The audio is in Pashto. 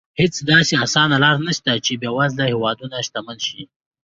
هېڅ داسې اسانه لار نه شته چې بېوزله هېوادونه شتمن شي.